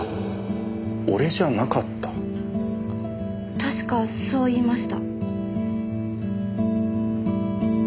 確かそう言いました。